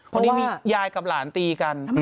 เพราะว่าวันนี้มียายกับหลานตีกัน